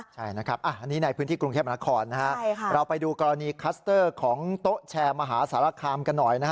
ใช่นะครับอันนี้ในพื้นที่กรุงเทพนครเราไปดูกรณีคัสเตอร์ของโต๊ะแชร์มหาสารคามกันหน่อยนะฮะ